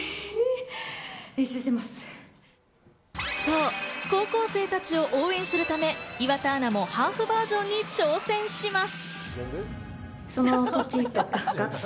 そう、高校生たちを応援するため、岩田アナもハーフバージョンに挑戦します！